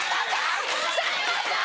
さんまさん！